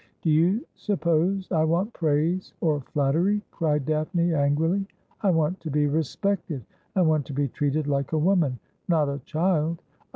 ' Do you suppose I want praise or flattery ?' cried Daphne angrily. ' I want to be respected. I want to be treated like a woman, not a child.